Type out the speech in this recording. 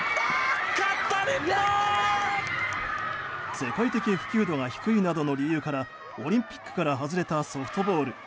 世界的普及度が低いなどの理由からオリンピックから外れたソフトボール。